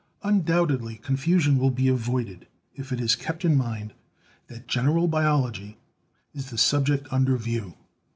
Undoubtedly confusion will be avoided if it is kept in mind that 'General Biology' is the subject under view.